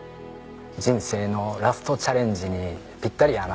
人生のラストチャレンジにぴったりやなと思いましたね。